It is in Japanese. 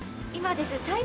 今ですね